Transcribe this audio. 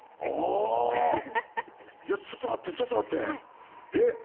あ、ちょっと待って、ちょっと待って。